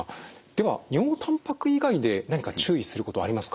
では尿たんぱく以外で何か注意することありますか？